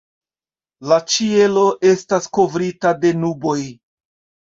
La ĉielo estas kovrita de nuboj.